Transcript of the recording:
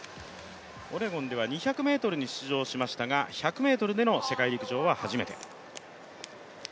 オレゴンでは２００ｍに出場しましたが１００ｍでの世界陸上出場は初めて。